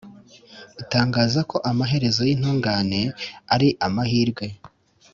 Itangaza ko amaherezo y’intungane ari amahirwe,